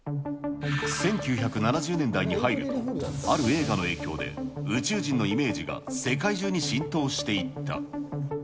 １９７０年代に入ると、ある映画の影響で、宇宙人のイメージが世界中に浸透していった。